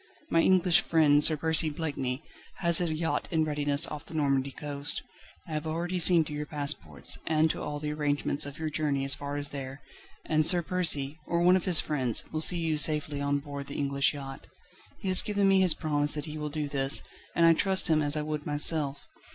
My English friend Sir Percy Blakeney, has a yacht in readiness off the Normandy coast. I have already seen to your passports and to all the arrangements of your journey as far as there, and Sir Percy, or one of his friends, will see you safely on board the English yacht. He has given me his promise that he will do this, and I trust him as I would myself.